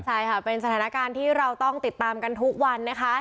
ใช่ค่ะเป็นสถานการณ์ที่เราต้องติดตามกันทุกวันนะคะ